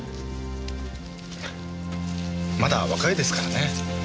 まだ若いですからね。